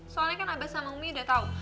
soalnya kan abah sama umi udah tahu